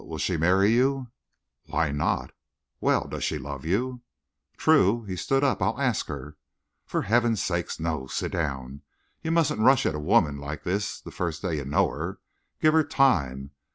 But will she marry you?" "Why not?" "Well, does she love you?" "True." He stood up. "I'll ask her." "For Heaven's sake, no! Sit down! You mustn't rush at a woman like this the first day you know her. Give her time.